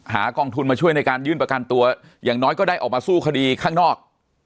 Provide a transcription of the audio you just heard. กองทุนมาช่วยในการยื่นประกันตัวอย่างน้อยก็ได้ออกมาสู้คดีข้างนอก